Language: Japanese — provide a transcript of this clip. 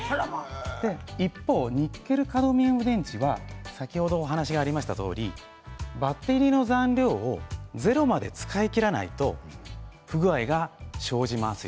一方、ニッケルカドミウム電池は先ほどお話がありましたようにバッテリーの残量がゼロまで使い切らないと不具合が、生じます。